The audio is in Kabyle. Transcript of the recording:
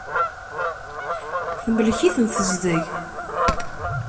Temlek-iten tezdeg.